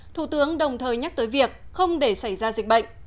thủ tướng đồng thời nhắc tới việc không để xảy ra dịch bệnh